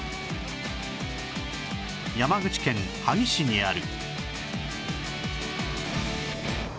山口県萩市にある